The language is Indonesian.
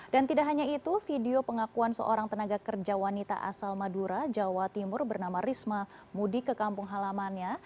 dan tidak hanya itu video pengakuan seorang tenaga kerja wanita asal madura jawa timur bernama risma mudi ke kampung halamannya